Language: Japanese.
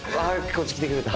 こっち来てくれた。